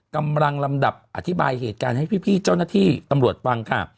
กำลังลำดับอธิบายเหตุการณ์ให้พี่เจ้าหน้าที่ตำรวจฟังค่ะ